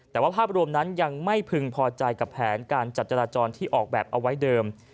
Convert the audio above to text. แต่ว่าภาพรวมนั้นยังไม่พึงพอใจกับแผนการจัดจราจรที่ออกแบบเอาไว้เดิม